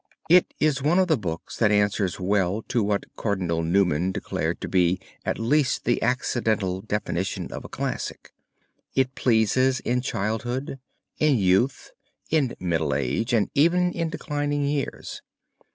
It is one of the books that answers well to what Cardinal Newman declared to be at least the accidental definition of a classic; it pleases in childhood, in youth, in middle age and even in declining years.